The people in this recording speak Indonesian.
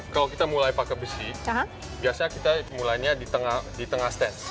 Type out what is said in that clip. kalau kita mulai pakai besi biasanya kita mulainya di tengah stand